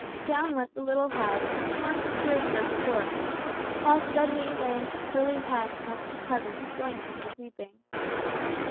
Down went the little head and a torrent of tears burst forth; whilst Dudley laying his curly head against his cousin's joined him in his weeping.